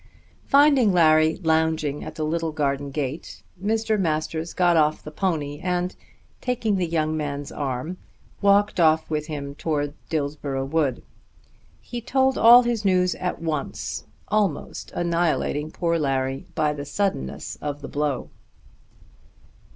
Finding Larry lounging at the little garden gate Mr. Masters got off the pony and taking the young man's arm, walked off with him towards Dillsborough Wood. He told all his news at once, almost annihilating poor Larry by the suddenness of the blow.